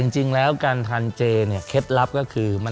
จริงแล้วการทานเจเนี่ยเคล็ดลับก็คือ